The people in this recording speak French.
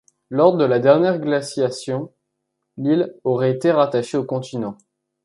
Lors de la dernière glaciation, l'île aurait été rattachée au continent.